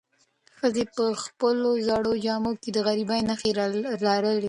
ښځې په خپلو زړو جامو کې د غریبۍ نښې لرلې.